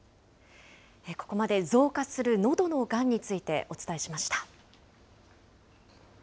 ここまで増加するのどのがんについてお伝えしました。